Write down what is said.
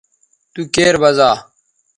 تو کیر بزا